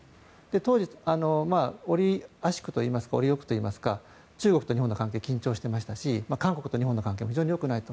当時、折あしくといいますか折よくといいますか中国と日本の関係は緊張していましたし韓国と日本の関係も非常によくないと。